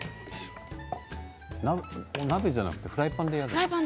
お鍋じゃなくてフライパンでやるの？